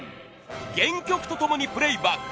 原曲とともにプレーバック。